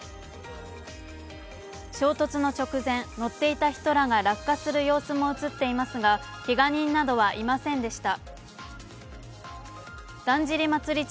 衝突の直前、乗っていた人らが落下する様子も映っていますがけが人などはいませんでした。